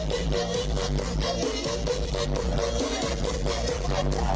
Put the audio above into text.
คิดทำได้อย่ายิ่งแบบนี้ก็ได้ครับ